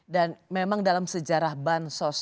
dan memang dalam sejarah bansos